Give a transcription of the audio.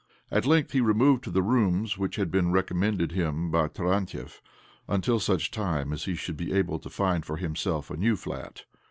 At length he removed to the rooms which had been recommended him by Tarantiev, until such time as he should be able to find for himself a new flat.